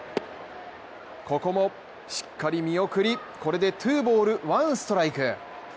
ここもしっかり見送りこれでツーボールワンストライク。